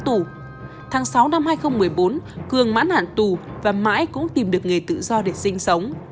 tháng sáu năm hai nghìn một mươi bốn cường mãn hạn tù và mãi cũng tìm được nghề tự do để sinh sống